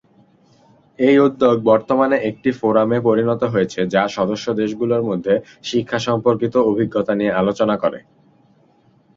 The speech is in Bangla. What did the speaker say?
এই উদ্যোগ বর্তমানে একটি ফোরামে পরিণত হয়েছে যা সদস্য দেশগুলোর মধ্যে শিক্ষা সম্পর্কিত অভিজ্ঞতা নিয়ে আলোচনা করে।